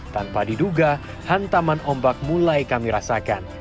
tanpa diduga hantaman ombak mulai kami rasakan